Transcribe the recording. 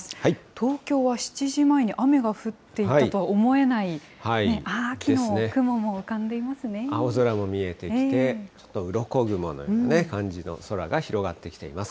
東京は７時前に雨が降っていたとは思えない、青空も見えてきて、ちょっとうろこ雲のような感じの空が広がってきています。